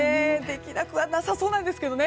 できなくはなさそうですけど。